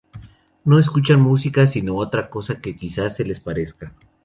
no escuchan música sino otra cosa que quizás se le parezca